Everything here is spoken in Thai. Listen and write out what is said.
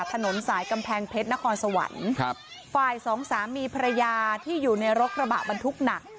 ถนนสายกำแพงเพชรนครสวรรค์ครับฝ่ายสองสามีภรรยาที่อยู่ในรถกระบะบรรทุกหนัก